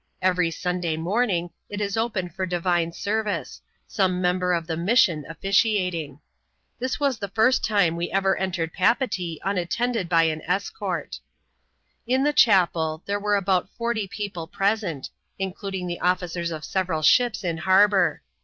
Every gmidaj morning it is open for divine service, some member of the mission officiating. This was the first time we ever entered Eqieetee unattended by an escort. In the chapel there were about forty people present, including the ofiicers of seteral ships in harbour.